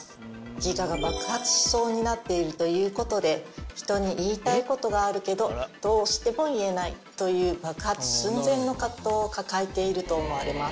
自我が爆発しそうになっているということで人に言いたいことがあるけどどうしても言えないという爆発寸前の葛藤を抱えていると思われます。